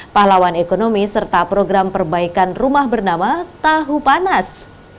pahlawan ekonomi serta program perbaikan rumah bernama tahu panas